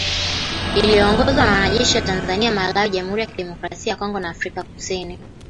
Iliyoongozwa na wanajeshi wa Tanzania, Malawi, Jamhuri ya kidemokrasia ya Kongo na Afrika kusini.